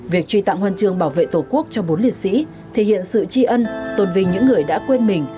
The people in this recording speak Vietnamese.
việc truy tặng hoàn trường bảo vệ tổ quốc cho bốn liệt sĩ thể hiện sự tri ân tồn vì những người đã quên mình